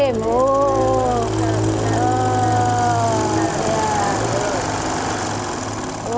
terima kasih ya bu